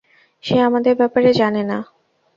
সে আমাদের ব্যাপারে জানে না।